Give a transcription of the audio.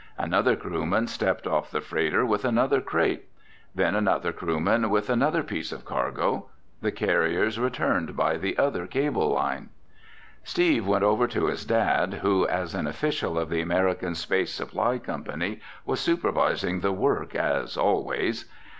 Another crewman stepped off the freighter with another crate. Then another crewman with another piece of cargo. The carriers returned by the other cable line. Steve went over to his dad who, as an official of the American Space Supply Company, was supervising the work as always.